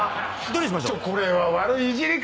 どれにしましょう？